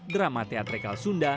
drama teatrikal sunda